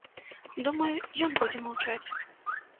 Думаю, ён будзе маўчаць.